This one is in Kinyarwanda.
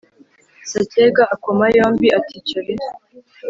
Sacyega akoma yombi, ati cyore